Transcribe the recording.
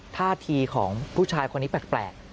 ท่าทีของผู้ชายคนนี้แปลก